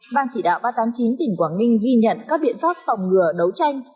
ban chỉ đạo ba trăm tám mươi chín tỉnh quảng ninh ghi nhận các biện pháp phòng ngừa đấu tranh